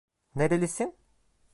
Nerelisin?